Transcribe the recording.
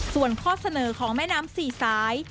ส่วนข้อเสนอของแม่น้ำสี่สาย